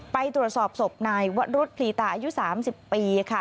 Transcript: ไปตรวจสอบศพนายวรุษพลีตาอายุ๓๐ปีค่ะ